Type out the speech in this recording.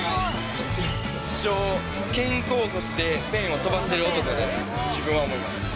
自称、肩甲骨でペンを飛ばせる男だと自分は思います。